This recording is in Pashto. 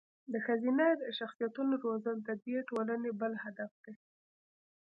د ښځینه شخصیتونو روزل د دې ټولنې بل هدف دی.